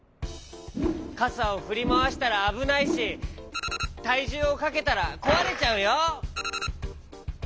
かさをふりまわしたらあぶないしたいじゅうをかけたらこわれちゃうよ。